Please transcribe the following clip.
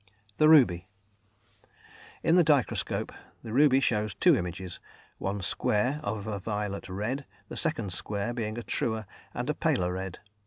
The Ruby. In the dichroscope the ruby shows two images, one square of a violet red, the second square being a truer and a paler red.